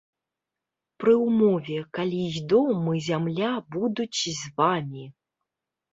Пры ўмове, калі і дом, і зямля будуць з вамі!